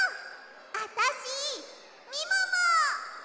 あたしみもも！